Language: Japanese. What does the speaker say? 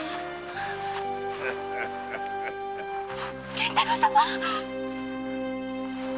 源太郎様！